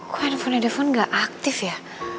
kok handphonenya handphone gak aktif ya